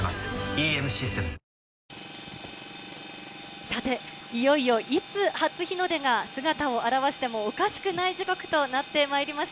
さて、いよいよいつ初日の出が姿を現してもおかしくない時刻となってまいりました。